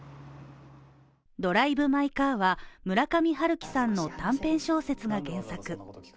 「ドライブ・マイ・カー」は、村上春樹さんの短編小説が原作。